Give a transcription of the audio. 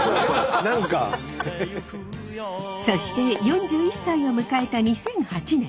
そして４１歳を迎えた２００８年。